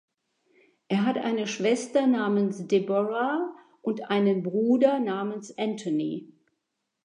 Er hat eine Schwester namens Deborah und einen Bruder namens Anthony.